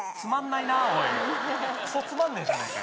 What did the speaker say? いクソつまんねえじゃねえかよ